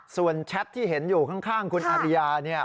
ส่วนแชทที่เห็นอยู่ข้างคุณอาริยาเนี่ย